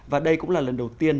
và đây cũng là lần đầu tiên